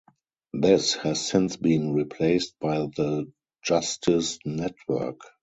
This has since been replaced by the Justice Network.